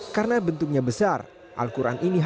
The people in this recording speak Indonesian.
karena bentuknya besar al quran ini harus dibuat di indonesia